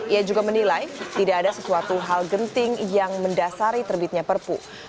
ia juga menilai tidak ada sesuatu hal genting yang mendasari terbitnya perpu